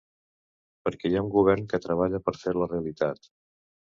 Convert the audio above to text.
Perquè hi ha un govern que treballa per fer-la realitat.